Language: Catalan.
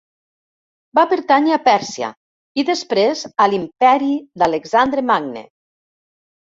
Va pertànyer a Pèrsia i després a l'imperi d'Alexandre Magne.